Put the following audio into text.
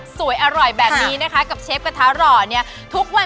สวัสดีค่า